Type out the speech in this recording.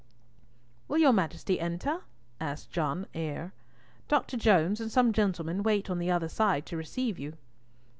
"Will your Majesty enter?" asked John Eyre. "Dr. Jones and some gentlemen wait on the other side to receive you."